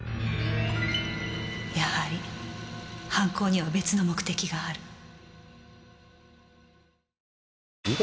やはり犯行には別の目的がある